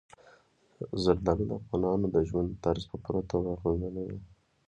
زردالو د افغانانو د ژوند طرز په پوره توګه اغېزمنوي.